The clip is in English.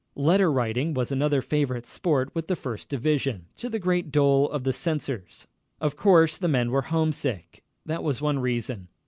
Letter writing was another favorite sport with the First Division, to the great dole of the censors. Of course the men were homesick. That was one reason.